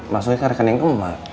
masukin ke rekening kamu ma